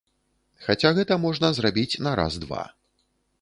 Хаця гэта можна зрабіць на раз-два.